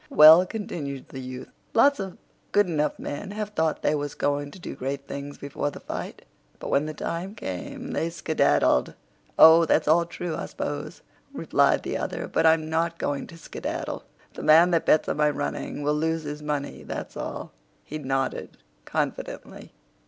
"Well," continued the youth, "lots of good a 'nough men have thought they was going to do great things before the fight, but when the time come they skedaddled." "Oh, that's all true, I s'pose," replied the other; "but I'm not going to skedaddle. The man that bets on my running will lose his money, that's all." He nodded confidently.